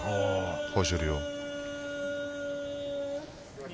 豊昇龍を。